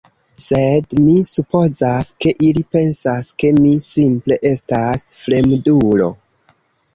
Sed mi supozas, ke ili pensas ke mi simple estas fremdulo.